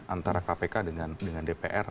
antara kpk dengan dpr